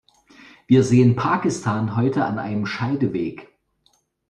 Wir sehen Pakistan heute an einem Scheideweg.